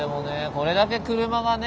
これだけ車がね